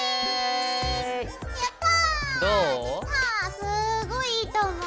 すごいいいと思う。